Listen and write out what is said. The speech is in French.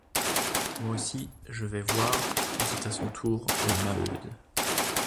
Moi aussi, je vais voir, dit à son tour la Maheude.